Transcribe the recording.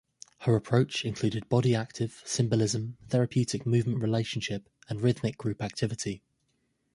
Her approach included body active, symbolism, therapeutic movement relationship, and rhythmic group activity.